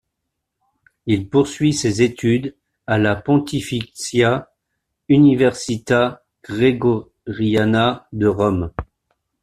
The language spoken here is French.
Il poursuit ses études à la Pontificia Università Gregoriana de Rome.